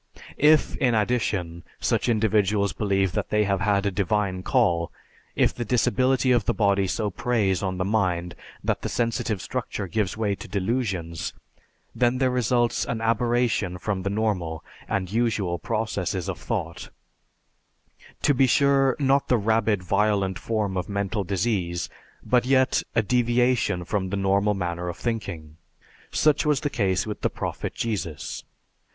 If, in addition, such individuals believe that they have had a divine call, if the disability of the body so preys on the mind that the sensitive structure gives way to delusions, then there results an aberration from the normal and usual processes of thought, to be sure not the rabid, violent form of mental disease, but yet a deviation from the normal manner of thinking. Such was the case with the Prophet Jesus.